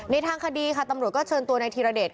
ในทางคดีค่ะตำรวจก็เชิญตัวในธีระเด็จ